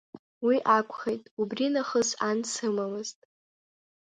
Уи акәхеит, убри нахыс ан дсымамызт.